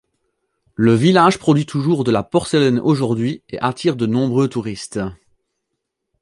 Le village produit toujours de la porcelaine aujourd'hui et attire de nombreux touristes.